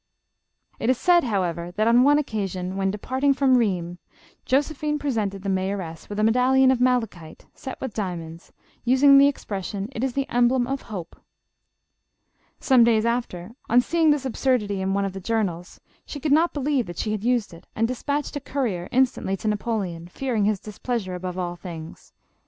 It is said, however, that on one occasion " when de parting from Rheims, Josephine presented the mayo ress with a medallion of malachite, set with diamonds, using the expression, 'It is the emblem of hope.' Some days after, on seeing this absurdity in one of the journals, she could not believe that she had used it, and despatched a courier instantly to Napoleon, fear ing his displeasure above all things.